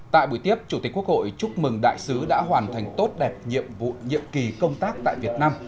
tại buổi tiếp chủ tịch quốc hội chúc mừng đại sứ đã hoàn thành tốt đẹp nhiệm vụ nhiệm kỳ công tác tại việt nam